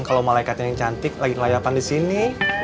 kalau malaikat yang cantik lagi layapan disini